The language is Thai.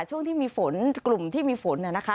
ช่วงที่มีฝนกลุ่มที่มีฝนนะคะ